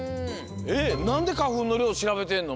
なんでかふんのりょうしらべてんの？